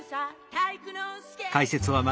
体育ノ介」